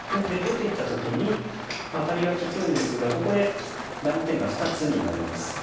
で出ていった時にアタリが利くんですがここで断点が２つになります。